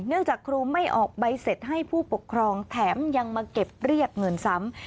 จากครูไม่ออกใบเสร็จให้ผู้ปกครองแถมยังมาเก็บเรียกเงินซ้ำ